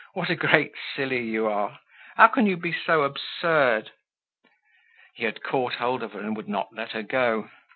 "What a great silly you are! How can you be so absurd?" He had caught hold of her and would not let her go.